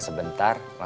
bisa malem nalem ke lain